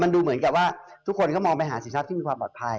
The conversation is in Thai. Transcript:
ดูเหมือนกับว่าทุกคนก็มองไปหาสินทรัพย์ที่มีความปลอดภัย